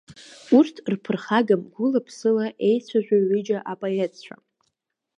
Урҭ рԥырхагам гәыла-ԥсыла еицәажәо ҩыџьа апоетцәа.